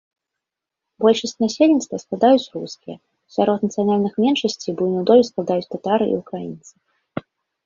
Большасць насельніцтва складаюць рускія, сярод нацыянальных меншасцей буйную долю складаюць татары і украінцы.